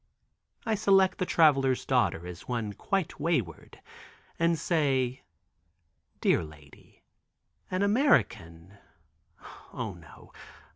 I select the Traveler's daughter as one quite wayward, and say: "Dear lady, an American (oh no!)